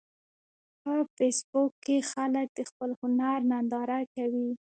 په فېسبوک کې خلک د خپل هنر ننداره کوي